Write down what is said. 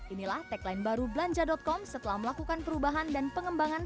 inilah tagline baru belanja com setelah melakukan perubahan dan pengembangan